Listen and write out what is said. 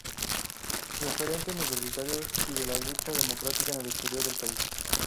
Referente universitario y de la lucha democrática en el exterior del país.